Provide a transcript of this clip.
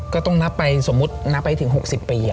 ก็ต้องนับไปสมมุตินับไปถึง๖๐ปี